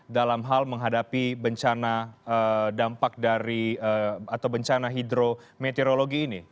dalam hal menghadapi bencana dampak dari atau bencana hidrometeorologi ini